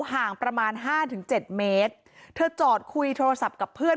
ห่างประมาณ๕๗เมตรเธอจอดคุยโทรศัพท์กับเพื่อน